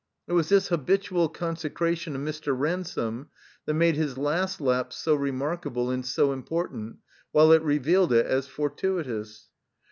It was this habitual conse cration of Mr. Ransome that made his last lapse so remarkable and so important, while it revealed it as fortuitous.